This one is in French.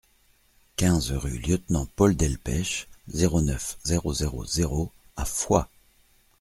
quinze rue Lieutenant Paul Delpech, zéro neuf, zéro zéro zéro à Foix